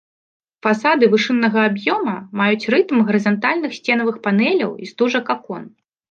Фасады вышыннага аб'ёма маюць рытм гарызантальных сценавых панеляў і стужак акон.